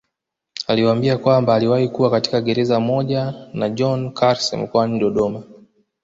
Alimwambia kwamba aliwahi kuwa katika gereza moja na John Carse mkoani Dodoma